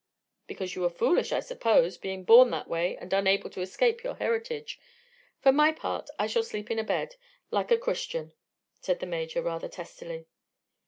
"Because you are foolish, I suppose, being born that way and unable to escape your heritage. For my part, I shall sleep in a bed; like a Christian," said the Major rather testily.